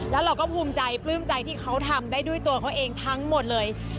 แล้วเราก็ภูมิใจปลื้มใจที่เขาทำได้ด้วยตัวเขาเองทั้งหมดเลย